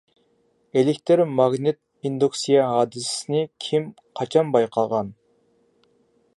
ئېلېكتىر ماگنىت ئىندۇكسىيە ھادىسىسىنى كىم، قاچان بايقىغان؟